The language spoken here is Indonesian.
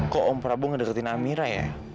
kok om prabu ngedeketin amira ya